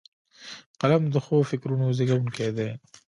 قلم د ښو فکرونو زیږوونکی دی